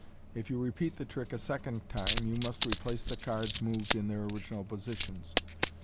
If you repeat the trick a second time, you must replace the cards moved in their original positions.